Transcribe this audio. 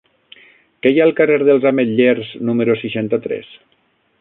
Què hi ha al carrer dels Ametllers número seixanta-tres?